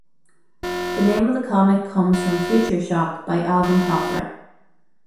The name of the comic comes from "Future Shock" by Alvin Toffler.